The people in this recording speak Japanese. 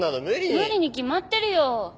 無理に決まってるよ。